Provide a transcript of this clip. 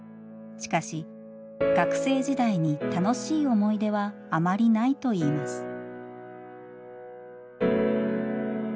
しかし学生時代に楽しい思い出はあまりないといいます。